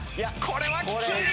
これはきつい！